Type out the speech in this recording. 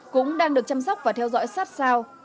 cũng đang được chăm sóc và theo dõi sát sao